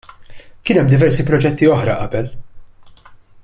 Kien hemm diversi proġetti oħra qabel.